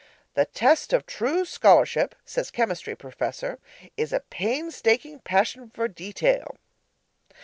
'The test of true scholarship,' says Chemistry Professor, 'is a painstaking passion for detail.'